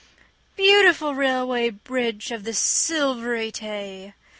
Beautiful Railway Bridge of the Silvery Tay